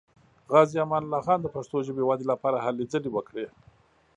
غازي امان الله خان د پښتو ژبې ودې لپاره هلې ځلې وکړې.